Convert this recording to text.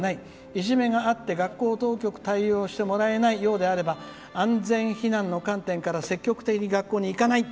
いじめがあって学校が対応してもらえないようならば安全避難の観点から積極的に学校に行かない。